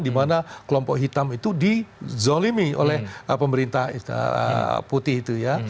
dimana kelompok hitam itu dizolimi oleh pemerintah putih itu ya